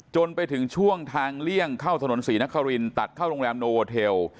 จนไปถึงช่วงทางเลี่ยงเข้าถนนศรีนครินตัดเข้าโรงแรมโนโวเทล